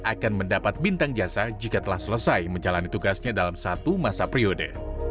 akan mendapat bintang jasa jika telah selesai menjalani tugasnya dalam satu masa periode